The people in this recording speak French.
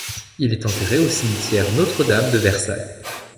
Il est enterré au cimetière Notre-Dame de Versailles.